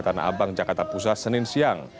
tanah abang jakarta pusat senin siang